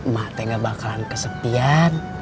mbak teh nggak bakalan kesepian